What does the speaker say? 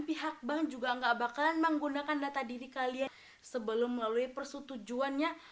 pihak bank juga gak bakalan menggunakan data diri kalian sebelum melalui persetujuannya